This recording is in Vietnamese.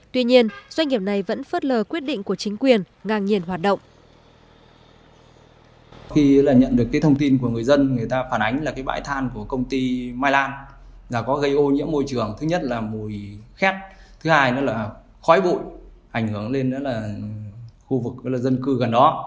tuy nhiên doanh nghiệp này vẫn phớt lờ quyết định của chính quyền ngang nhiên hoạt động